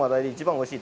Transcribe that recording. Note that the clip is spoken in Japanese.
おいしい！